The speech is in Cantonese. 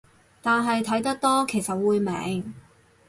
但係睇得多其實會明